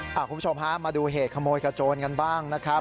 คุณผู้ชมฮะมาดูเหตุขโมยกระโจนกันบ้างนะครับ